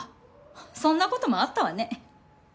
そんな事もあったわね。